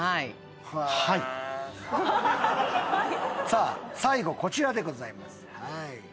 さあ最後こちらでございます。